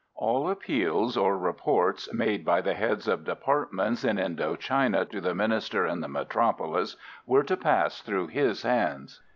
All appeals or reports made by the heads of departments in Indo China to the Minister in the metropolis were to pass through his hands.